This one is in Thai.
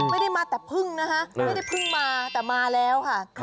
ไม่ได้มาแต่พึ่งนะคะไม่ได้เพิ่งมาแต่มาแล้วค่ะ